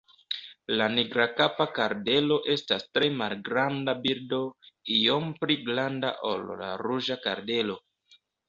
La Nigrakapa kardelo estas tre malgranda birdo, iom pli granda ol la Ruĝa kardelo.